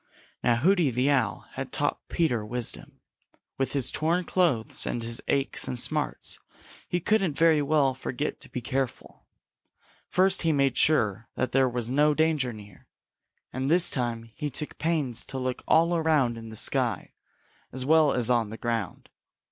Now Hooty the Owl had taught Peter wisdom. With his torn clothes and his aches and smarts he couldn't very well forget to be careful. First he made sure that there was no danger near, and this time he took pains to look all around in the sky as well as on the ground.